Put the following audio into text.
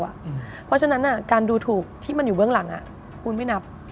เพราะฉะนั้นการดูถูกที่มันอยู่เบื้องหลังคุณไม่นับ